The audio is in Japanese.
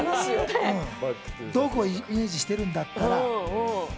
ドクをイメージしてるんだってね。